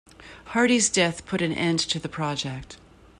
Hardy's death put an end to the project.